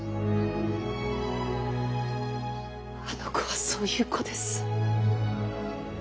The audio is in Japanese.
あの子はそういう子です。